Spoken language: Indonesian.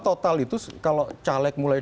total itu kalau caleg mulai